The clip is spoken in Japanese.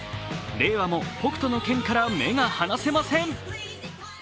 令和も「北斗の拳」から目が離せません。